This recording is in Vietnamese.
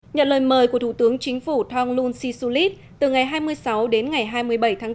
nhận lời mời của thủ tướng chính phủ thonglun sisulit từ ngày hai mươi sáu đến ngày hai mươi bảy tháng bốn